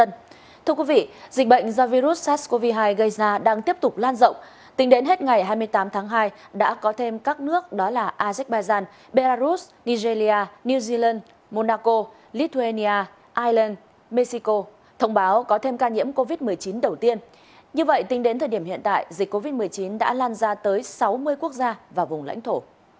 như vậy tính đến thời điểm hiện tại dịch covid một mươi chín đã lan ra tới sáu mươi quốc gia và vùng lãnh thổ